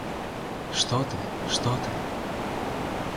Што ты, што ты.